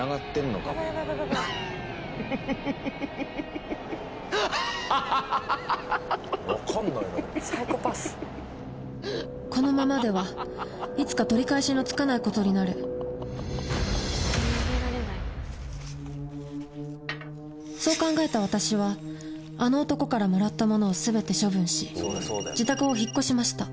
わかんないなサイコパスこのままではいつか取り返しのつかないことになるそう考えた私はあの男からもらったものを全て処分し自宅を引っ越しました